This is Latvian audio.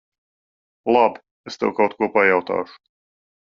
Labi. Es tev kaut ko pajautāšu.